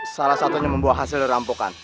salah satunya membuah hasil dari rampokan